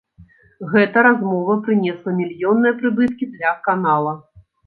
Гэта размова прынесла мільённыя прыбыткі для канала.